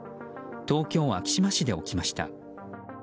東京・昭島市で起きました。